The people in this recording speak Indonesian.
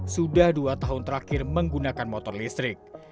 sudah dua tahun terakhir menggunakan motor listrik